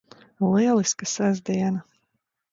Lieliska sestdiena!